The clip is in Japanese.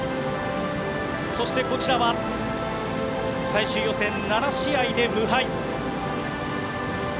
そして、こちらは最終予選７試合で無敗。